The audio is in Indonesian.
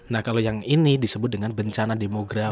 nah kalau yang ini disebut dengan bencana demografi